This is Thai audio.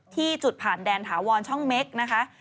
ที่จุดผ่านแดนถาวรช่องเม็กนะคะ